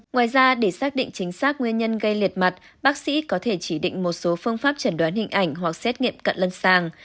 ngoài ra để xác định chính xác nguyên nhân gây liệt mặt bác sĩ có thể chỉ định một số phương pháp chẩn đoán hình ảnh hoặc xét nghiệm cận lâm sàng